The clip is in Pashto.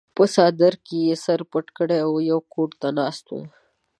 پۀ څادر کښې ئې سر پټ کړے وي يو ګوټ ته ناست وي